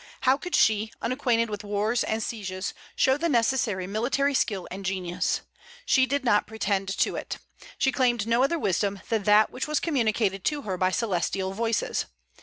How could she, unacquainted with wars and sieges, show the necessary military skill and genius? She did not pretend to it. She claimed no other wisdom than that which was communicated to her by celestial voices.